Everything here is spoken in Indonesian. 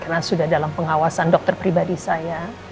karena sudah dalam pengawasan dokter pribadi saya